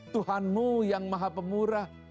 tuhanmu yang maha pemurah